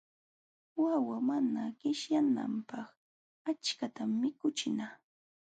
Wawa mana qishyananpaq achkatam mikuchina.